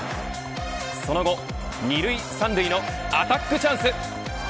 その後、２塁３塁のアタックチャンス。